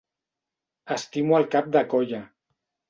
Estimo el cap de colla.